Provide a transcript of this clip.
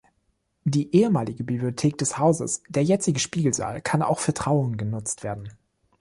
Die ehemalige Bibliothek des Hauses, der jetzige Spiegelsaal, kann auch für Trauungen genutzt werden.